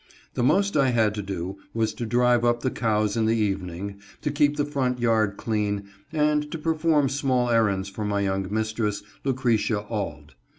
The most I had to do was to drive up the cows in the evening, to keep the front yard clean, and to perform small errands for my young mistress, Lucretia Auld.